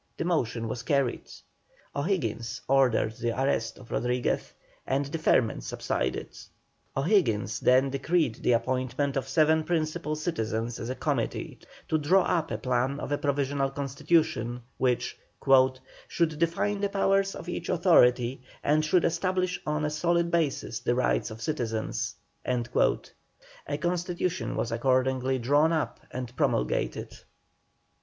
The motion was carried. O'Higgins ordered the arrest of Rodriguez, and the ferment subsided. O'Higgins then decreed the appointment of seven principal citizens as a committee to draw up a plan of a provisional constitution, which "should define the powers of each authority and should establish on a solid basis the rights of citizens." A constitution was accordingly drawn up and promulgated.